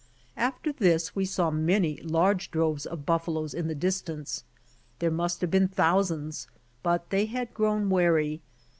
After this we saw many large droves of buffaloes in the distance. There must have been thousands, but they had grown wary.